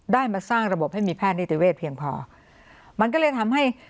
มาสร้างระบบให้มีแพทย์นิติเวทเพียงพอมันก็เลยทำให้